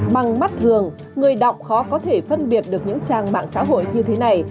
bằng mắt thường người đọc khó có thể phân biệt được những trang mạng xã hội như thế này